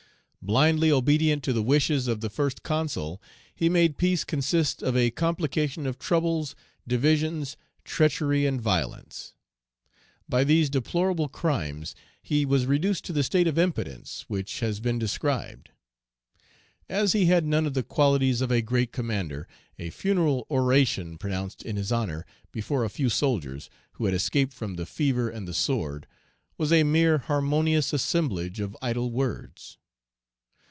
Blindly obedient to the wishes of the First Consul, he made peace consist of a complication of troubles, divisions, treachery, and violence. By these deplorable crimes, he was reduced to the state of impotence which has been described. As he had none of the qualities of a great commander, a funeral oration pronounced in his honor, before a few soldiers, who had escaped from the fever and the sword, was a mere harmonious assemblage of idel words.